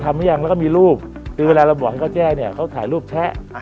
ใช่และมีรูปที่เราบอกเขาแจ้เขาถ่ายรูปแชะ